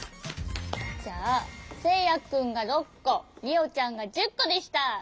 じゃあせいやくんが６こりおちゃんが１０こでした！